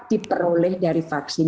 diperoleh dari vaksin